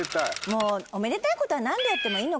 もうおめでたいことは何度やってもいいのかなって。